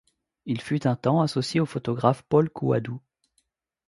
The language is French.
Il fut un temps associé au photographe Paul Couadou.